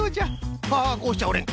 こうしちゃおれん！